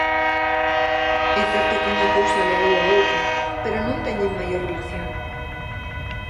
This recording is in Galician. É certo que unha cousa levou á outra, pero non teñen maior relación.